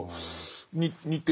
似てる。